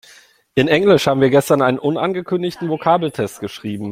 In Englisch haben wir gestern einen unangekündigten Vokabeltest geschrieben.